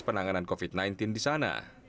penanganan covid sembilan belas di sana